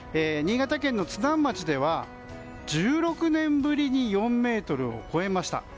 新潟県の津南町では１６年ぶりに４ｍを超えました。